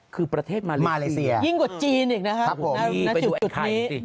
คือประเทศมาเลเซียยิ่งกว่าจีนอีกนะครับณจุดนี้